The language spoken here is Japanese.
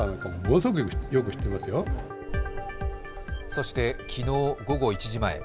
そして、昨日午後１時前。